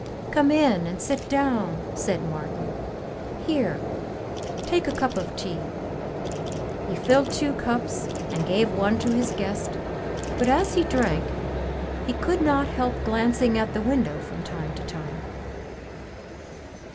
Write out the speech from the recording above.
"Come in and sit down," said Martin. "Here, take a cup of tea." He filled two cups and gave one to his guest, but as he drank, he could not help glancing at the window from time to time.